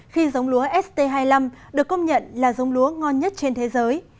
khi giống lúa st hai mươi năm được công nhận là giống lúa ngon nhất trên thế giới